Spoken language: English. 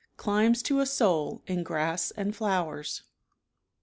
Climbs to a soul in grass and flowers.